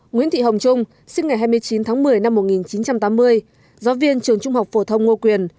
nguyễn thị hồng trung sinh ngày hai mươi chín tháng một mươi năm một nghìn chín trăm tám mươi giáo viên trường trung học phổ thông ngô quyền